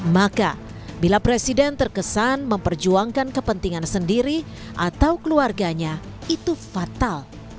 maka bila presiden terkesan memperjuangkan kepentingan sendiri atau keluarganya itu fatal